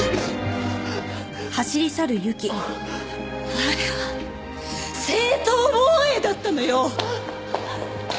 あれは正当防衛だったのよ！